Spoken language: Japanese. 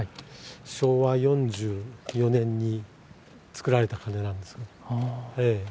昭和４４年につくられた鐘なんですが。